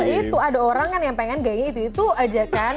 itu ada orang kan yang pengen gayanya itu itu aja kan